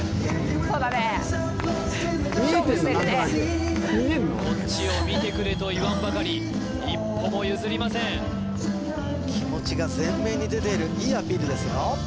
そうだねこっちを見てくれと言わんばかり一歩も譲りません気持ちが全面に出てるいいアピールですよ